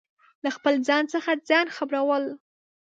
له خپل ځان څخه ځان خبرو ل